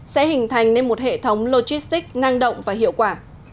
sẽ hình thành nên một hệ thống logistics ngang động và hiệu quả